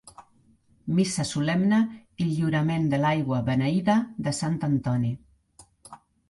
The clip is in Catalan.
Missa solemne i lliurament de l'aigua beneïda de Sant Antoni.